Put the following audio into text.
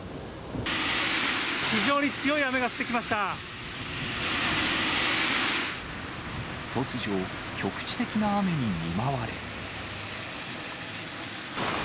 非常に強い雨が降ってきまし突如、局地的な雨に見舞われ。